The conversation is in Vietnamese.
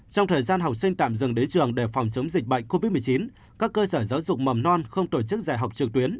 trong thời gian học sinh tạm dừng đến trường để phòng chống dịch bệnh covid một mươi chín các cơ sở giáo dục mầm non không tổ chức dạy học trực tuyến